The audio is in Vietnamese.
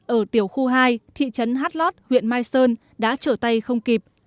ở tiểu khu hai thị trấn hát lót huyện mai sơn đã trở tay không kịp